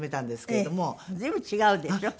随分違うでしょ？